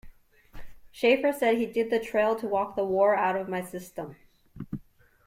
Shaffer said he did the trail to "walk the war out of my system".